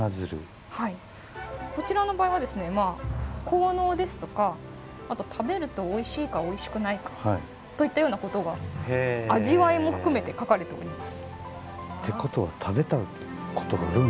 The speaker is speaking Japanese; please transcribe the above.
こちらの場合は効能ですとかあと食べるとおいしいかおいしくないかといったようなことがってことは食べたことがあるんか。